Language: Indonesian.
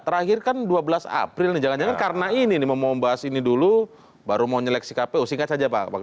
terakhir kan dua belas april nih jangan jangan karena ini mau membahas ini dulu baru mau nyeleksi kpu singkat saja pak